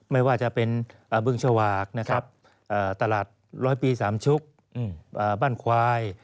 ไม่ว่าจะเป็นเบื้องชวากตลาดร้อยพี่สามชุกบ้านควาย